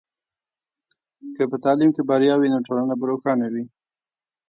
که په تعلیم کې بریا وي، نو ټولنه به روښانه وي.